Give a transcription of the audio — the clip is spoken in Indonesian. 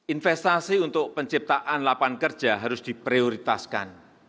investasi untuk penciptaan lapangan kerja harus diprioritaskan